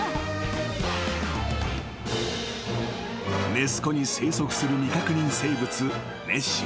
［ネス湖に生息する未確認生物ネッシー］